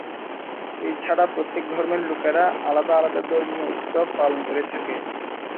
এছাড়া প্রত্যেক ধর্মের লোকেরা আলাদা আলাদা ধর্মীয় উৎসব পালন করে থাকে।